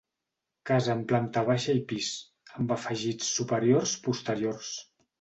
Casa amb planta baixa i pis, amb afegits superiors posteriors.